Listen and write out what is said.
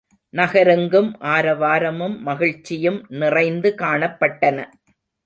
நகரெங்கும் ஆரவாரமும் மகிழ்ச்சியும் நிறைந்து காணப்பட்டன.